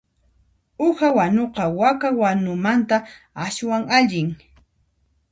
Uha wanuqa waka wanumanta aswan allin.